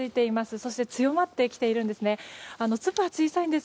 そして強まってきているんです。